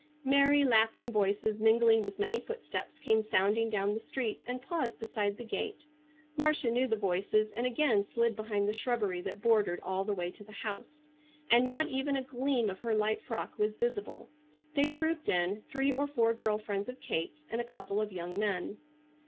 Merry, laughing voices mingling with many footsteps came sounding down the street and paused beside the gate. Marcia knew the voices and again slid behind the shrubbery that bordered all the way to the house, and not even a gleam of her light frock was visible. They trooped in, three or four girl friends of Kate's and a couple of young men.